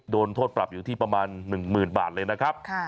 โดนโทษปรับอยู่ที่ประมาณ๑๐๐๐บาทเลยนะครับ